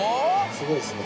すごいですね。